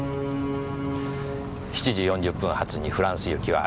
７時４０分発にフランス行きはありません。